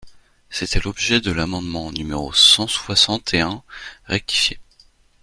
C’était l’objet de l’amendement numéro cent soixante et un rectifié.